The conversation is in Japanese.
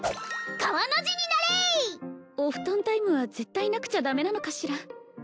川の字になれいお布団タイムは絶対なくちゃダメなのかしら？